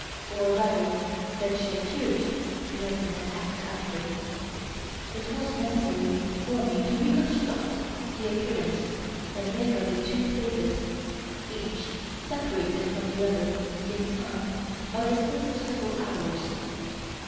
or rather, that she appeared to have been attacked after? It was necessary for me to reconstruct the occurrence and make of it two phases each separated from the other, in time, by the space of several hours.